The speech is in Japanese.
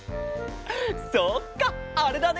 そっかあれだね！